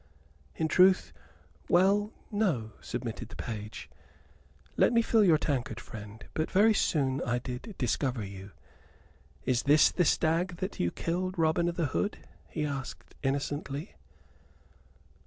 "In truth well, no," submitted the page. "Let me fill your tankard, friend. But very soon I did discover you. Is this the stag that you killed, Robin o' th' Hood?" he added, innocently.